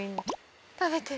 食べてる。